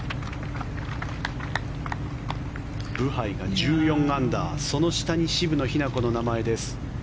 ブハイが１４アンダーその下に渋野日向子の名前です。